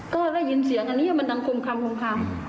ก็ได้ยินเสียงอันนี้มันดังคมคำคมคำ